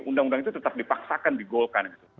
undang undang itu tetap dipaksakan digolkan